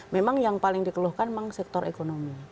memang yang paling dikeluhkan memang sektor ekonomi